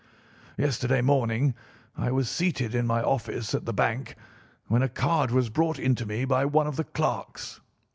"Yesterday morning I was seated in my office at the bank when a card was brought in to me by one of the clerks.